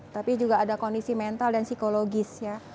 tapi juga ada kondisi mental dan psikologis ya